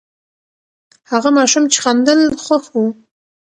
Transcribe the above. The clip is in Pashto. هغه ماشوم چې خندل، خوښ و.